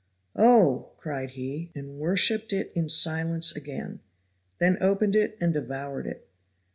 "Oh!" cried he, and worshipped it in silence again; then opened it and devoured it.